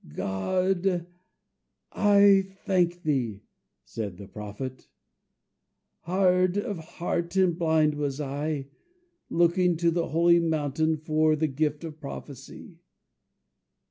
"God! I thank thee," said the Prophet "Hard of heart and blind was I, Looking to the holy mountain For the gift of prophecy.